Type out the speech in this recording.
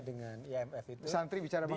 dengan imf itu